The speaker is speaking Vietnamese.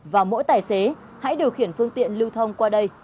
và mỗi tài xế hãy điều khiển phương tiện lưu thông qua đây